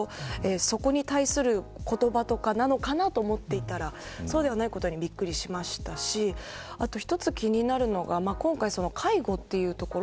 そこに対する言葉とかなのかなと思っていたらそうではないことにびっくりしましたしあと一つ、気になるのが今回、介護というところ。